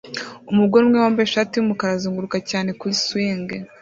Umugore umwe wambaye ishati yumukara azunguruka cyane kuri swing